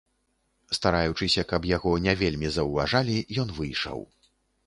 Стараючыся, каб яго не вельмі заўважалі, ён выйшаў.